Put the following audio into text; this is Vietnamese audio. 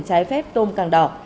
trái phép tôm càng đỏ